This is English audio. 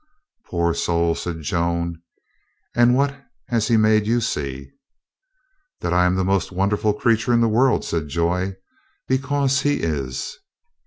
"Poor soul!" said Joan. "And what has he made you see?" "That I am the most wonderful creature in the world," said Joy. "Because he is."